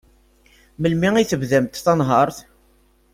Melmi i tebdamt tanhert?